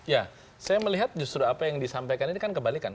ya saya melihat justru apa yang disampaikan ini kan kebalikan